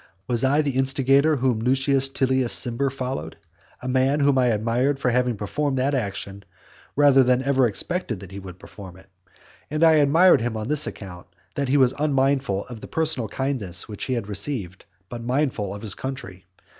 Was I the instigator whom Lucius Tillius Cimber followed? a man whom I admired for having performed that action, rather than ever expected that he would perform it; and I admired him on this account, that he was unmindful of the personal kindnesses which he had received, but mindful of his country.